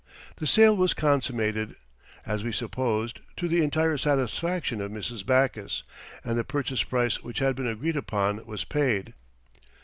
The sale was consummated, as we supposed, to the entire satisfaction of Mrs. Backus, and the purchase price which had been agreed upon was paid.